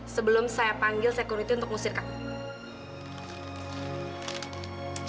sebelum saya panggil sekuriti untuk mengusirkanmu